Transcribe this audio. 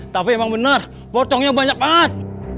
tapi emang bener pocongnya banyak banget